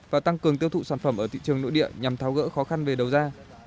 và tăng cường tiêu thụ sản phẩm ở thị trường nội địa nhằm tháo gỡ khó khăn về đầu ra